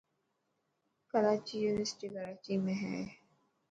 ڪراچي يونيورسٽي ڪراچي ۾ هي.